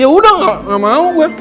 ya udah gak mau kan